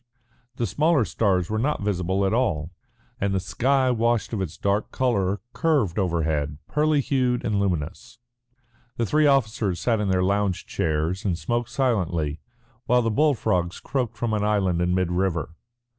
The smaller stars were not visible at all, and the sky washed of its dark colour, curved overhead, pearly hued and luminous. The three officers sat in their lounge chairs and smoked silently, while the bull frogs croaked from an island in mid river.